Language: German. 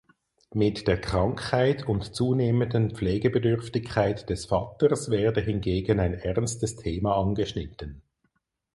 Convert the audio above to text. Mit der Krankheit und zunehmenden Pflegebedürftigkeit des Vaters werde hingegen ein ernstes Thema angeschnitten.